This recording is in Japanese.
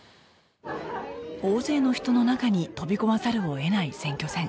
大勢の人の中に飛び込まざるを得ない選挙戦